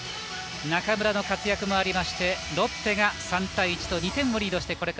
中村の活躍があってロッテが３対１と２点をリードしています。